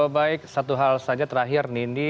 baik satu hal saja terakhir nindi